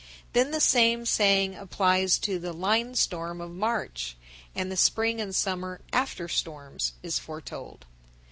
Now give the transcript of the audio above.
Then the same saying applies to the "line storm" of March, and the spring and summer after storms is foretold.